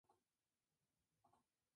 Fue asegurador de la Lloyd's de Londres.